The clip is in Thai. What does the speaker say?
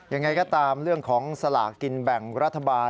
ยังไงก็ตามเรื่องของสลากกินแบ่งรัฐบาล